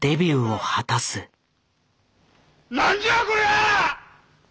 何じゃこりゃあ！